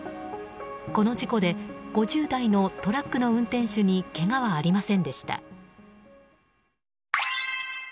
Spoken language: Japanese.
この事故で５０代のトラックの運転手にけがはありませんでした。